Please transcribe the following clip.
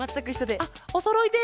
あっおそろいで。